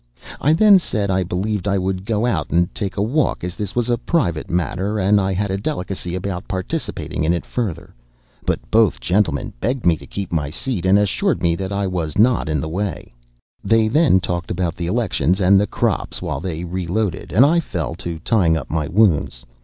I then said, I believed I would go out and take a walk, as this was a private matter, and I had a delicacy about participating in it further. But both gentlemen begged me to keep my seat, and assured me that I was not in the way. They then talked about the elections and the crops while they reloaded, and I fell to tying up my wounds.